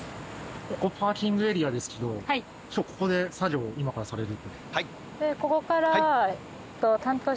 ここパーキングエリアですけど今日ここで作業を今からされる？